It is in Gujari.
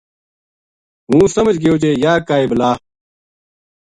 ہوں سمجھ گیو جے یاہ کائی بلا